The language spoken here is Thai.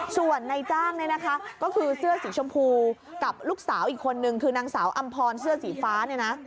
ส่วนนายจ้างก็คือเสื้อสีชมพูกับลูกสาวอีกคนนึงคือนางสาวอำพรเสื้อสีฟ้า